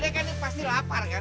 lu pade pasti lapar kan